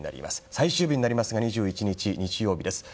最終日になりますが２１日、日曜日です。